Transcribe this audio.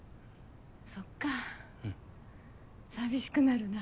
そっか寂しくなるな。